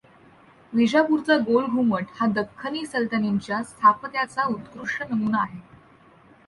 विजापूरचा गोलघुमट हा दख्खनी सल्तनतींच्या स्थापत्याचा उत्कृष्ट नमुना आहे.